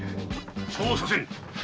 ・そうはさせん！